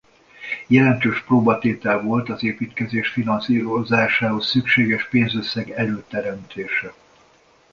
Jelentős próbatétel volt az építkezés finanszírozásához szükséges pénzösszeg előteremtése.